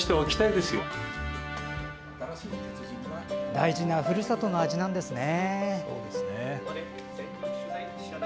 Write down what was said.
大事なふるさとの味なんですね。